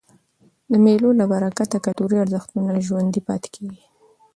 د مېلو له برکته کلتوري ارزښتونه ژوندي پاته کېږي.